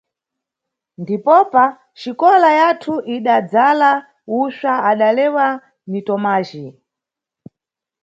Ndipopa xikola yathu idadzala usva adalewa ni Tomajhi.